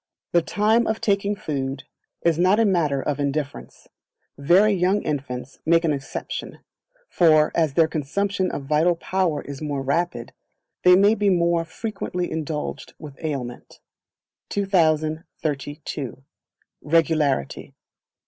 The Time of Taking Food is not a matter of indifference; very young infants make an exception; for, as their consumption of vital power is more rapid, they may be more frequently indulged with aliment. 2032. Regularity.